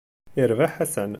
Irbeḥ Ḥasan.